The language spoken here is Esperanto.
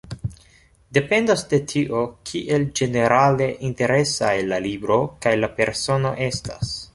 Dependas de tio, kiel ĝenerale interesaj la libro kaj la persono estas.